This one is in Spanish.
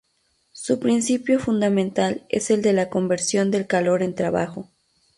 Su principio fundamental es el de la conversión del calor en trabajo.